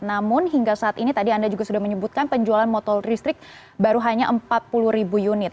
namun hingga saat ini tadi anda juga sudah menyebutkan penjualan motor listrik baru hanya empat puluh ribu unit